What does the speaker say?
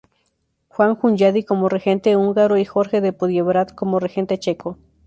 Juan Hunyadi como regente húngaro y Jorge de Podiebrad como regente checo.